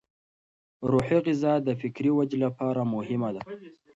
روحي غذا د فکري ودې لپاره مهمه ده.